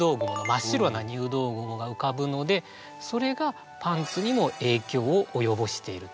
真っ白な入道雲が浮かぶのでそれがパンツにも影響を及ぼしていると。